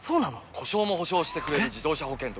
故障も補償してくれる自動車保険といえば？